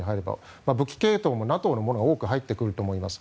武器系統もＮＡＴＯのものが多く入ってくると思います。